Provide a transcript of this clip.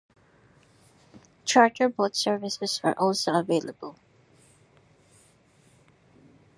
Charter boat services are also available.